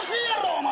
お前。